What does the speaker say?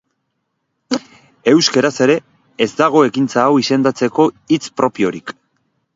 Euskaraz ere ez dago ekintza hau izendatzeko hitz propiorik.